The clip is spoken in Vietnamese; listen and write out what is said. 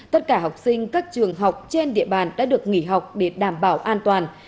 tất cả học sinh các trường học trên địa bàn đã được nghỉ học để đảm bảo an toàn